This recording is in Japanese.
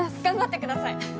頑張ってください。